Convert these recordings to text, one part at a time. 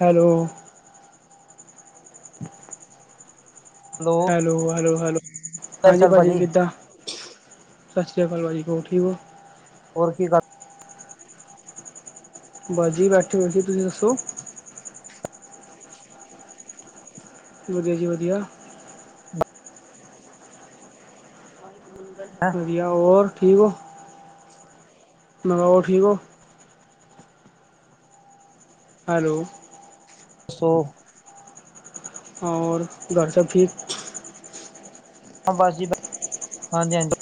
Hello, hello, hello, hello ਹਾਂਜੀ। ਸ਼੍ਰੀ ਅਕਾਲ ਭਾਜੀ ਕਿੱਦਾਂ? ਸਤਿ ਸ੍ਰੀ ਅਕਾਲ। ਭਾਜੀ ਹੋਰ ਠੀਕ ਹੋ। ਹੋਰ ਕੀ ਕਰ ਬਸ ਜੀ ਬੈਠੇ ਹੋ ਸੀ। ਤੁਸੀਂ ਦੱਸੋ? ਵਧੀਆ ਜੀ ਵਧੀਆ। ਕਰ ਵਧੀਆ ਹੋਰ ਠੀਕ ਹੋ। ਮੈਂ ਹੋਰ ਠੀਕ ਹੋ। ਹੈਲੋ, ਦੱਸੋ। ਔਰ ਘਰ ਸਭ ਠੀਕ। ਬਸ ਜੀ, ਹਾਂਜੀ- ਹਾਂਜੀ।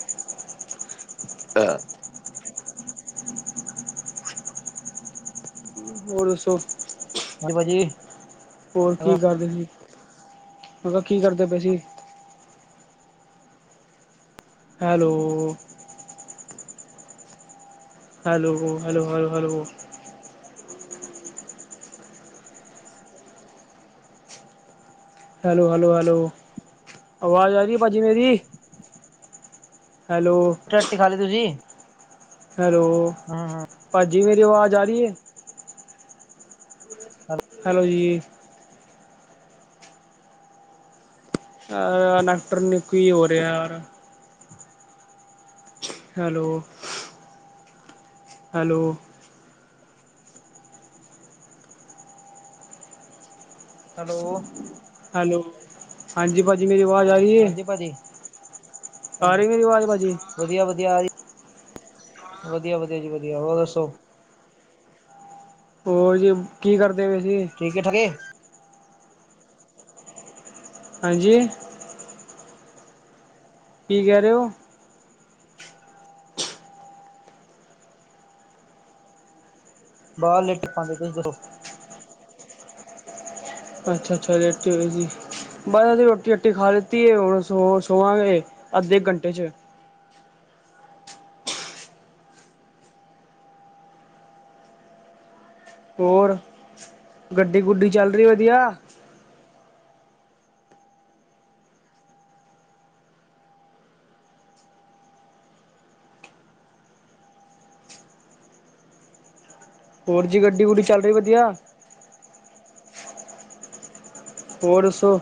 ਹੋ ਸੌ ਹਾਂਜੀ ਭਾ [unintelligible] ਅਜੀ ਹੋਰ ਕੀ ਕਰਦੇ ਸੀ। ਮਤਲਬ ਕੀ ਕਰਦੇ ਪਏ ਸੀ। Hello, hello, hello, hello, hello hello, hello, hello ਆਵਾਜ਼ ਆਹੀ ਹੈ ਭਾਜੀ ਮੇਰੀ। [unintelligible] ਹੈਲੋ, ਰ ਰੋਟੀ ਖਾ ਲਈ ਤੁਸੀਂ? ਹੈਲੋ, ਹੂੰ ਭਾਜੀ ਮੇਰੀ ਆਵਾਜ਼ ਆ ਰਹੀ ਹੈ। ਹੈਲੋ ਜੀ, ਅ ਨੈਕਟਰ ਨਿ ਕੀ ਹੋ ਰਿਹਾ ਯਾਰ। ਹੈਲੋ, ਹੈਲੋ, ਹੈਲੋ, ਹੈਲੋ, ਹਾਂਜੀ ਭਾਜੀ ਮੇਰੀ ਆਵਾਜ਼ ਆ ਰਹੀ ਹੈ। ਹਾਂਜੀ ਭਾਜੀ ਆ ਹਾਂਜੀ ਰਹੀ, ਮੇਰੀ ਆਵਾਜ਼ ਭਾਜੀ? ਵਧੀਆ, ਵਧੀਆ- ਵਧੀਆ- ਵਧੀਆ ਜੀ, ਵਧੀਆ। ਹੋਰ, ਦੱਸੋ? ਹੋਰ ਜੀ ਕੀ, ਕਰਦੇ ਪੇ, ਸੀ? ਠੀਕੇ, ਠਗੇ ਹਾਂਜੀ। ਕੀ ਕਹਿ ਰਹੇ ਹੋ? ਬਾਹਰਲੇਟ [unintelligible] ਪਾਉਂਦੇ ਤੁਸੀਂ ਦੱਸੋ ਅੱਛਾ -ਅੱਛਾ ਲੇਟ ਹੋ ਜੀ, ਬਸ ਅਸੀਂ ਰੋਟੀ- ਰਟੀ ਖਾ ਲਿੱਤੀ। ਹੁਣ ਸੋ- ਸੋਵਾਂਗੇ ਅੱਧੇ ਘੰਟੇ 'ਚ। ਹੋਰ ਗੱਡੀ- ਗੁਡੀ ਚੱਲ ਰਹੀ ਵਧੀਆ। ਫੋਰ ਜੀ ਗੱਡੀ- ਗੁੱਡੀ ਚੱਲ ਰਹੀ ਵਧੀਆ। ਹੋਰ ਦੱਸੋ।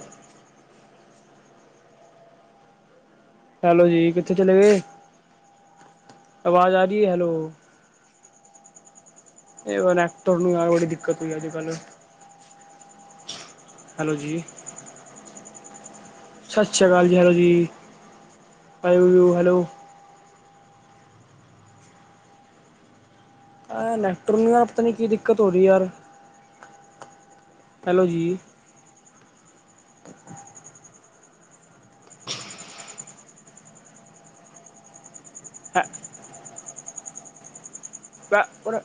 ਹੈਲੋ ਜੀ, ਕਿੱਥੇ ਚਲੇ ਗਏ। ਆਵਾਜ਼ ਆ ਰਹੀ ਹੈ। ਹੈਲੋ, ਇਹ ਐਕਟਰ ਨੂੰ ਆ ਬੜੀ ਦਿੱਕਤ ਹੋਈ ਅਜ ਕੱਲ੍ਹ। ਹੈਲੋ ਜੀ। ਸਤਿ ਸ਼੍ਰੀ ਅਕਾਲ ਜੀ, ਹੈਲੋ ਜੀ। ਆ, ਹੈਲੋ ਆ ਨੈਟਵਰਕ ਨੂੰ, ਯਾਰ ਪਤਾ ਨੀ ਕੀ ਦਿੱਕਤ ਹੋ ਰਹੀ ਹੈ, ਯਾਰ। ਹੈਲੋ ਜੀ। ਉਹਣਾ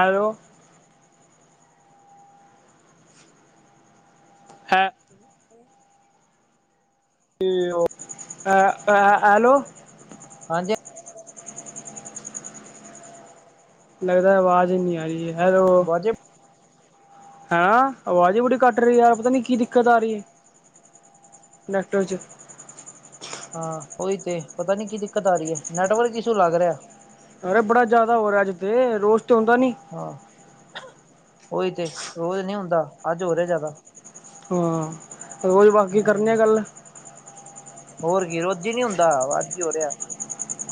ਐਲੋ। ਹੈ ਤੇ, ਉਹ ਅ, ਐ, ਐਲੋ। ਹਾਂਜੀ। ਲੱਗਦਾ ਆਵਾਜ਼ ਇੰਨੀ ਆ ਰਹੀ ਹੈ, ਹੈਲੋ। ਬਾਜੇ ਹੈਂ ਆਵਾਜ਼ ਹੀ ਬੜੀ ਕੱਟ ਰਹੀ ਯਾਰ, ਪਤਾ ਨਹੀਂ ਕੀ ਦਿੱਕਤ ਆ ਰਹੀ ਹੈ, ਨੈਟਵਰਕ'ਚ ਹਾਂ, ਉਹੀ ਤੇ, ਪਤਾ ਨੀ ਕੀ ਦਿੱਕਤ ਆ ਰਹੀ ਹੈ, ਨੈਟਵਰਕ ਇਸ਼ੂ ਲੱਗ ਰਿਹਾ। ਅਰੇ ਬੜਾ ਜ਼ਿਆਦਾ ਹੋ ਰਿਹਾ ਅੱਜ ਤੇ, ਰੋਜ ਤੇ ਹੁੰਦਾ ਨੀ। ਹਾਂ, ਉਹੀ ਤੇ, ਰੋਜ਼ ਨਹੀਂ ਹੁੰਦਾ, ਅੱਜ ਹੋ ਰਿਹਾ ਜ਼ਿਆਦਾ। ਹੂੰ। ਹਾਂ [unintelligible] ਹੋਰ ਕੀ ਰੋੱਜੀ ਹੀ ਨਹੀਂ ਹੁੰਦਾ, ਅੱਜ ਹੀ ਹੋ ਰਿਹਾ,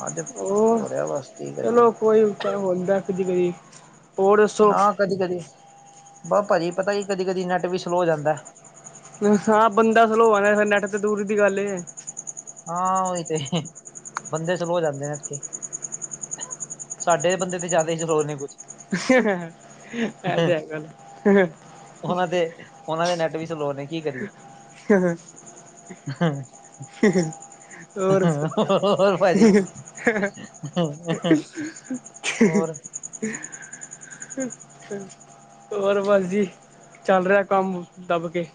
ਅੱਜ ਉਹ ਹੋ ਰਿਹਾ ਬਸ। ਕੀ ਕਰੀਏ ਚਲੋ ਕੋਈ ਹੁੰਦਾ, ਕਦੀ-ਕਦੀ ਹੋਰ, ਦੱਸੋ? ਹਾਂ ਕਦੀ-ਕਦੀ, ਬ ਭਾਜੀ ਪਤਾ ਕੀ ਕਦੀ-ਕਦੀ ਨੈੱਟ ਵੀ ਸਲੋਅ ਹੋ ਜਾਂਦਾ। ਹਾਂ, ਬੰਦਾ ਸਲੋ ਆ ਫਿਰ ਨੈਟ ਤੇ, ਦੂਰੀ ਦੀ ਗੱਲ ਏ। ਹਾਂ, ਉਹੀ ਤੇ, ਬੰਦੇ ਸਲੋ ਜਾਂਦੇ ਨੇ ਇੱਥੇ। ਸਾਡੇ ਬੰਦੇ ਤੇ ਜ਼ਿਆਦਾ ਹੀ, ਸਰੋਰ ਨੇ ਕੁੱਝ ਅਐ ਤੇ, ਹੈਗਾ। ਉਹਨਾਂ ਦੇ, ਉਹਨਾਂ ਦੇ ਨੈਟ ਵੀ ਸਲੋਅ ਨੇ, ਕੀ ਕਰੀਏ। ਹ ਹੋਰ, ਦੱਸੋ? ਹੋਰ ਭਾਜੀ ਹੋਰ ਅ ਹੋਰ ਵਸਜੀ, ਚੱਲ ਰਿਹਾ ਕੰਮ ਦੱਬਕੇ।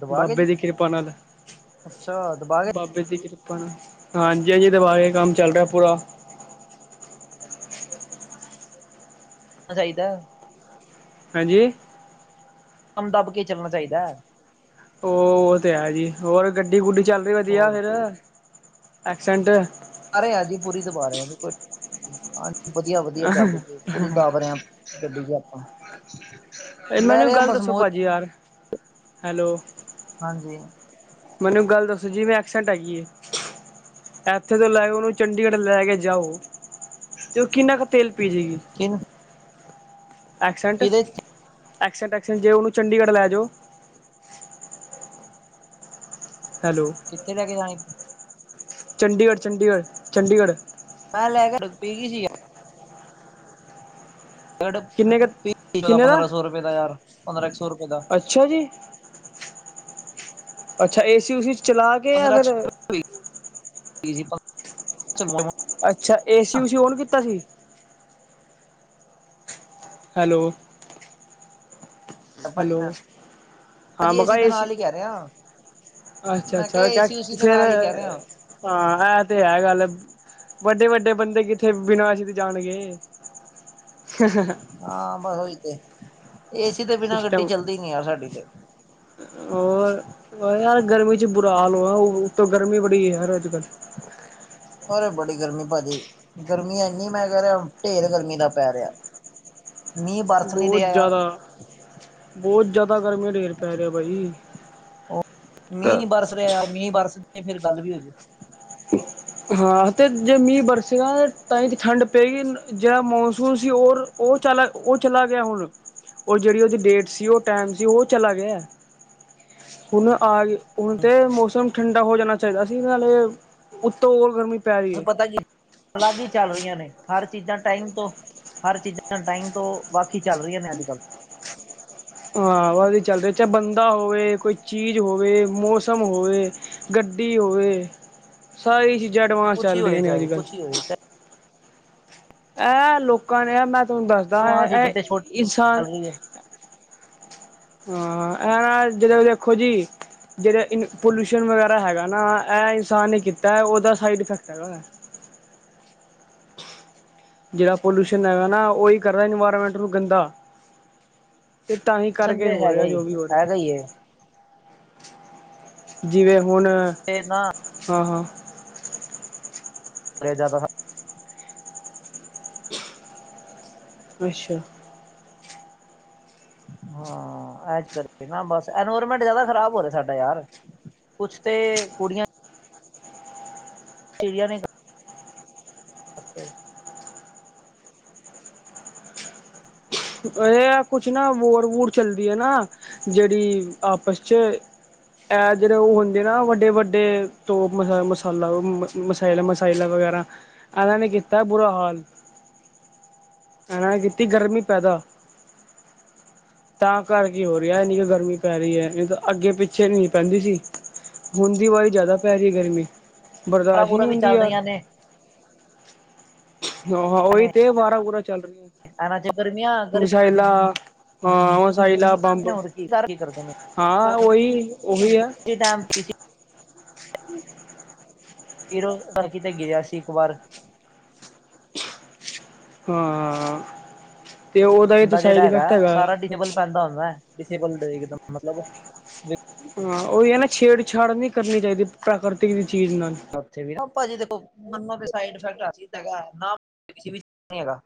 ਦਬਾ ਕੇ ਬਾਬੇ ਜੀ ਦੀ ਕਿਰਪਾ ਨਾਲ, ਅੱਛਾ ਦਬਾ ਕੇ ਬਾਬੇ ਦੀ ਕਿਰਪਾ ਆਪ, ਹਾਂਜੀ-ਹਾਂਜੀ, ਦਬਾ ਕੇ, ਕੰਮ ਚੱਲ ਰਿਹਾ ਪੂਰਾ। ਚਾਹੀਦਾ। ਹਾਂਜੀ! ਕੰਮ ਦੱਬ ਕੇ, ਚੱਲਣਾ ਚਾਹੀਦਾ ਹੈ। ਉਹ, ਉਹ ਤਾਂ ਹੈ ਜੀ, ਹੋਰ ਗੱਡੀ-ਗੁੱਡੀ ਚੱਲ ਰਹੀ ਵਧੀਆ ਹੋਰ ਫਿਰ, ਕੀ ਐਕਸੈਂਟ ਰਾ ਜੀ, ਪੂਰੀ ਦਬਾ ਰਹੇ ਜੀ, ਕੋਈ ਹਾਂਜੀ ਵਧੀਆ- ਵਧੀਆ ਚੱਲ ਜ, ਪੂਰੀ ਦਬ ਰਿ ਗੱਡੀ'ਚ ਆਪਾਂ, ਲੈ ਰਹੇ ਹ ਬਸ ਮੋਜ ਹਜੀ, ਹਾਰ ਹੈਲੋ। ਹਾਂਜੀ। ਮੈਨੂੰ ਗੱਲ ਦੱਸੋ ਜੀ? ਐਪਸੈਟ ਹੈਗੀ ਆ ਇੱਥੇ ਤੋਂ ਲੈਕੇ, ਉਹਨੂੰ ਚੰਡੀਗੜ੍ਹ ਲੈਕੇ ਜਾਓ। ਤੇ, ਉਹ ਕਿੰਨਾ ਕੁ ਤੇਲ, ਪੀ ਜੇਗੀ? ਐਕਸੈਂਟ, ਕਿਹਦੇ ਐਕਸੈਂਟ-ਐਕਸੈਂਟ ਜੇ, ਉਹਨੂੰ ਚੰਡੀਗੜ੍ਹ ਲੈ ਜੋ ਹੈਲੋ। ਕਿੱਥੇ ਲੈਕੇ ਜਾਣੇ? ਚੰਡੀਗੜ੍ਹ, ਚੰਡੀਗੜ੍ਹ, ਚੰਡੀਗੜ੍ਹ ਮੈਂ ਲੈ ਕੇ ਪੀਗੀ ਸੀ। ਕਿੰਨੇ ਕੁ ਕਿੰਨੇ ਦਾ ਪੰਦਰਾਂ ਸੌ ਰੁਪਏ ਦਾ ਯਾਰ ਪੰਦਰਾਂ ਇੱਕ ਸੌ ਰੁਪਏ ਦਾ, ਅੱਛਿਆ ਜੀ, ਅੱਛਾ ਏਸੀ ਉਸੀ, ਚਲਾ ਕੇ ਜਾਂ ਪੰਦਰਾ ਫਿਰ ਅੱਛਾ, ਏਸੀ ਉੂਸੀ ਓਨ ਕੀਤਾ ਸੀ। ਹੈਲੋ, ਭਾਜੀ ਮੈਂ ਹੈਲੋ, ਹਾਂ ਭਾਜੀ ਮਹਾ ਦੇ ਏਸੀ, ਨਾਲ ਹੀ ਕਹਿ ਰਿਹਾ ਅੱਛਾ, ਮੈਂ ਕਿਹਾ ਅੱਛਾ ਕਿਆ ਏਸੀ ਉਸੀ ਦੇ ਫੇਰ ਨਾਲ ਹੀ ਕਹਿ ਰਿਹਾ ਹਾਂ ਇਹ ਤੇ ਹੈ, ਗੱਲ ਵੱਡੇ-ਵੱਡੇ ਬੰਦੇ ਕਿੱਥੇ ਬਨਾਸ਼ ਜਾਣਗੇ। ਹ ਹਾਂ ਬਸ ਉਹੀ ਤੇ ਏਸੀ ਤੇ ਬਿਨਾਂ ਗੱਡੀ ਸਿਸਟਮ ਚੱਲਦੀ ਨੀ ਯਾਰ ਸਾਡੀ ਤੇ, ਹੋਰ ਯਾਰ ਗਰਮੀ ਚ ਬੁਰਾ ਹਾਲ ਹੋ ਉਤੋਂ ਗਰਮੀ ਬੜੀ ਹੈ, ਯਾਰ ਅੱਜ-ਕੱਲ ਅਰੇ ਬੜੀ ਗਰਮੀ ਭਾਜੀ, ਗਰਮੀ ਇੰਨੀ ਮੈਂ ਕਹਿ ਰਿਹਾ ਢੇਰ ਗਰਮੀ ਦਾ ਪੈ ਰਿਹਾ। ਮੀਂਹ ਬਰਸ ਨਹੀਂ ਬਹੁਤ ਦਿਆ ਯਾਰ ਜ਼ਿਆਦਾ ਬਹੁਤ ਜਿਆਦਾ ਗਰਮੀ ਢੇਰ ਪੈ ਰਿਹਾ ਬਾਈ, ਉਹ ਮੀਂਹ ਕ ਨਹੀਂ ਬਰਸ ਰਿਹਾ, ਯਾਰ ਮੀਂਹ ਬਰਸਦੇ ਫਿਰ ਗੱਲ ਵੀ ਹੋਜੇ। ਹਾਂ ਅਤੇ ਜੇ ਮੀਂਹ ਬਰਸੇਗਾ, ਤਾਂ ਤਾਂ ਠੰਡ ਪਏਗੀ, ਜਿਹੜਾ ਮੌਨਸੂਸ ਸੀ ਔਰ ਉਹ ਚਲਾ ਉਹ ਚਲਾ ਗਿਆ ਹੁਣ ਉਹ ਜਿਹੜੀ ਉਹਦੀ ਡੇਟ ਸੀ, ਉਹ ਟਾਈਮ ਸੀ ਉਹ ਚਲਾ ਗਿਆ ਹੁਣ ਆ ਹੁਣ ਤੇ ਮੌਸਮ ਠੰਡਾ ਹੋ ਜਾਣਾ ਚਾਹੀਦਾ, ਅਸੀ ਨਾਲੇ ਉੱਤੋਂ ਹੋਰ ਗਰਮੀ ਪੈ ਰਹੀ ਬ ਹੈ ਪਤਾ ਕੀ ਅਲੱਗ ਹੀ ਚੱਲ ਰਹੀਆਂ ਨੇ, ਹਰ ਚੀਜ਼ਾਂ ਟਾਈਮ ਤੋਂ ਹਰ ਚੀਜ਼ਾਂ ਟਾਈਮ ਤੋਂ ਬਾਕੀ ਚੱਲ ਰਹੀਆਂ, ਨੇ ਅੱਜ-ਕੱਲ ਹਾਂ ਵ ਚੱਲ ਰਿਹਾ ਚਾਹੇ ਬੰਦਾ ਹੋਵੇ, ਕੋਈ ਚੀਜ਼ ਹੋਵੇ ਮੌਸਮ ਹੋਵੇ। ਗੱਡੀ ਹੋਵੇ, ਸਾਰੀ ਚੀਜ਼ਾਂ ਐਡਵਾਂਸ ਕੁਛ ਹੀ ਚੱਲ ਰਹੀਆਂ ਹੋਏ ਨੇ ਚਾਹੇ ਅੱਜ- ਕੁਛ ਕੱਲ੍ਹ ਹੀ ਹੋਏ ਇਹ ਲੋਕਾਂ ਨੇ ਆ ਮੈਂ ਤੁਹਾਨੂੰ ਦੱਸਦਾ ਹੈ, ਤੇ ਛੋਟੀ ਚੱਲ ਇਹ ਇਨਸਾਨ ਰਹੀ ਹੈ ਹਾਂ, ਹਨਾ ਦਿਨੇ ਦੇਖੋ ਜੀ। ਜਿਹੜੇ ਇਨ ਪੋਲਿਊਸ਼ਨ ਵਗੈਰਾ ਹੈਗਾ, ਨਾ ਇਹ ਇਨਸਾਨ ਨੇ ਕੀਤਾ ਉਹਦਾ ਸਾਈਡ ਇਫੈਕਟ ਹੈਗਾ। ਜਿਹੜਾ ਪੋਲਿਊਸ਼ਨ ਹੈ, ਨਾ ਉਹੀ ਕਰਦਾ ਇਨਵਾਇਰਮੈਂਟ ਨੂੰ ਗੰਦਾ ਤੇ ਤਾਂ ਹੀ ਟਿਊਸ਼ਨ ਕਰਕੇ ਤੇ ਹੋ ਹੈਗਾ ਰਿਹਾ ਹੀ ਜੋ ਵੀ ਹੋ ਹੈਗਾ ਹੀ ਹੈ ਰਿਹਾ। ਜਿਵੇਂ ਹੁਣ ਤੇ ਨਾ, ਹਾਂ, ਹਾਂ, ਕਰਿਆ ਜਾਦਾ, ਅੱਛਾ, ਹਾਂ ਐਸ ਕਰਕੇ ਨਾ ਬਸ ਐਨਵਾਇਰਮੈਂਟ ਜ਼ਿਆਦਾ ਖ਼ਰਾਬ ਹੋ ਰਿਹਾ, ਸਾਡਾ ਯਾਰ ਕੁਛ ਤੇ ਕੁੜੀਆਂ, ਚਿੜੀਆਂ ਨੇ, ਇਹ ਆ ਕੁਛ ਨਾ ਵੋਰ-ਵੋਰ ਚੱਲਦੀ ਹੈ, ਨਾ ਜਿਹੜੀ ਆਪਸ ਚ ਇਹ ਜਿਹੜੇ ਉਹ ਹੁੰਦੇ ਨਾ ਵੱਡੇ-ਵੱਡੇ ਤੋਪ ਮਸਾਲਾ ਮ ਮਸਲਾਂ ਮਸਾਈਲਾਂ ਵਗੈਰਾ ਇਹਨਾਂ ਨੀ ਕੀਤਾ ਬੁਰਾ ਹਾਲ। ਇਹਨਾਂ ਨੇ ਕੀਤੀ ਗਰਮੀ ਪੈਦਾ ਤਾਂ ਘਰ ਕੀ ਹੋ ਰਿਹਾ ਇੰਨੀ ਕਿ ਗਰਮੀ ਪੈ ਰਹੀ ਹੈ ਨਹੀਂ ਤਾਂ ਅੱਗੇ ਪਿੱਛੇ ਨ ਪੈਂਦੀ ਸੀ ਹੁੰਣ ਦੀ ਵਾਰੀ ਜ਼ਿਆਦਾ ਪੈ ਰਹੀ ਹੈ, ਗਰਮੀ ਸਾਰਾ ਬਰਦਾਸ਼ਤ ਹੀ ਪੂਰਾ ਨਹੀਂ ਵੀ ਹੁੰਦੀ ਚੱਲ ਯਾਰ ਰਹੀਆਂ ਨੇ ਆਹੋ ਉਹੀ ਤੇ ਬਾਰਾਂ ਬੂਰਾ ਚੱਲ ਰਹੀਆਂ। ਕਨਾ ਚ ਗਰਮੀ ਆ ਗਰਮੀ ਇਲਾ ਅ ਹਸ ਇਲਾ, ਨੇ ਬੰਬ ਹੋਰ ਕੀ ਕਰ ਕੀ ਕਰਦੇ ਹਾਂ ਉਹੀ-ਉਹੀ ਹੈ। ਕਿਸ ਟਾਮ ਕਿ ਸੀਂ ਹੂੰ, ਬੀਰੋ ਕਿਤੇ ਗਿਆ ਸੀ, ਇੱਕ ਵਾਰ ਹਾਂ ਤੇ ਉਹਦਾ ਵੀ ਤਾਂ ਬੰਦਾ ਸਾਈਡ ਜਿਹੜਾ ਇਫੈਕਟ ਹੈਗਾ ਸਾਰਾ [unintelligible] ਮਤਲਬ ਹਾਂ ਉਹੀ ਹੈ ਨਾ ਛੇੜਛਾੜ ਨਹੀਂ ਕਰਨੀ ਚਾਹੀਦੀ ਪ੍ਰਾਕ੍ਰਤਿਕ ਦੀ ਚੀਜ਼ ਨਾਲ ਉਥੇ ਵੀ ਭਾਜੀ ਦੇਖੋ ਮੰਨੋ ਤੇ ਸਡ ਇਫੈਕਟ ਹੈਗਾ ਨਾ ਵੀ ਹੈਗਾ